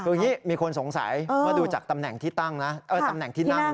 คืออย่างนี้มีคนสงสัยมาดูจากตำแหน่งที่นั่งนะ